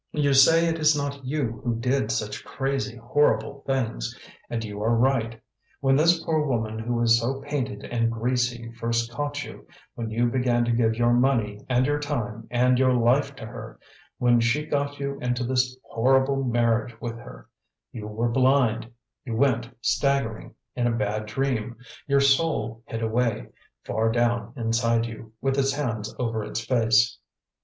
You say it is not you who did such crazy, horrible things, and you are right. When this poor woman who is so painted and greasy first caught you, when you began to give your money and your time and your life to her, when she got you into this horrible marriage with her, you were blind you went staggering, in a bad dream; your soul hid away, far down inside you, with its hands over its face.